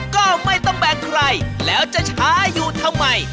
ก็ไม่ต้องแบ่งใครแล้วจะช้าอยู่ทำไม